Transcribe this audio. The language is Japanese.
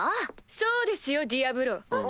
そうですよディアブロ。